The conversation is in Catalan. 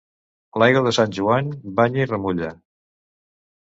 L'aigua de Sant Joan banya i remulla.